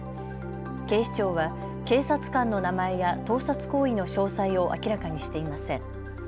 警視庁は警察官の名前や盗撮行為の詳細を明らかにしていません。